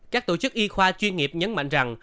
các tổ chức y khoa chuyên nghiệp nhấn mạnh rằng